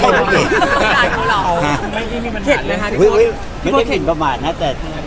อะหละอุ๊ยอุ๊ยไม่ได้เห็นประมาณนะแต่แค่คูก